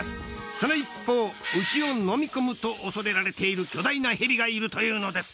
その一方牛を飲み込むと恐れられている巨大な蛇がいるというのです。